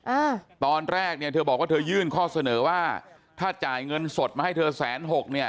อ่าตอนแรกเนี่ยเธอบอกว่าเธอยื่นข้อเสนอว่าถ้าจ่ายเงินสดมาให้เธอแสนหกเนี่ย